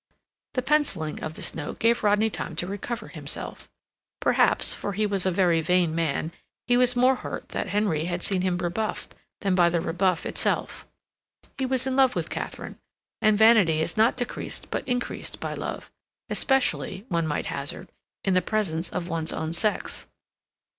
The penciling of this note gave Rodney time to recover himself. Perhaps, for he was a very vain man, he was more hurt that Henry had seen him rebuffed than by the rebuff itself. He was in love with Katharine, and vanity is not decreased but increased by love; especially, one may hazard, in the presence of one's own sex.